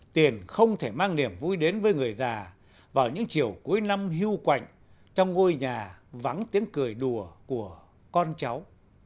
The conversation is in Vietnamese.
tiền không thể mang niềm vui đến với người già vào những chiều cuối năm hưu quạnh trong ngôi nhà vắng tiếng cười đùa của con cháu